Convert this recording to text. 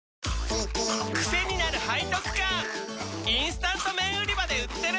チキンかじり虫インスタント麺売り場で売ってる！